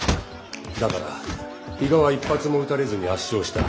だから比嘉は一発も打たれずに圧勝した。